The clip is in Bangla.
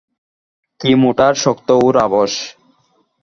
কী মোটা আর শক্ত, ওর অ্যাবস।